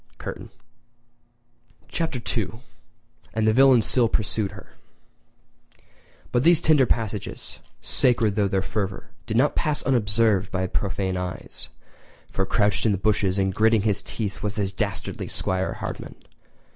[Curtain] Chapter II: And the Villain Still Pursued Her[edit] But these tender passages, sacred though their fervour, did not pass unobserved by profane eyes; for crouched in the bushes and gritting his teeth was the dastardly 'Squire Hardman!